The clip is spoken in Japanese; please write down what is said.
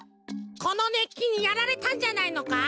このねっきにやられたんじゃないのか？